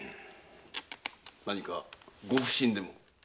何かご不審でも？